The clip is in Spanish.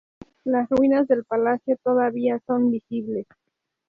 Las ruinas del palacio todavía son visibles.